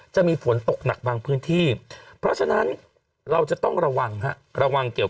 จะมีฝนตกหนักบางพื้นที่เพราะฉะนั้นเราจะต้องระวังฮะระวังเกี่ยว